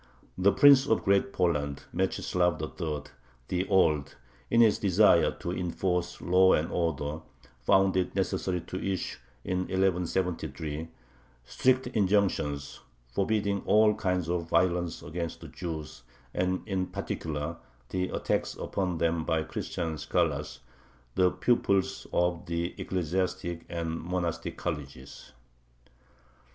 " The Prince of Great Poland, Mechislav III., the Old, in his desire to enforce law and order, found it necessary to issue, in 1173, strict injunctions forbidding all kinds of violence against the Jews and in particular the attacks upon them by Christian "scholars," the pupils of the ecclesiastic and monastic colleges.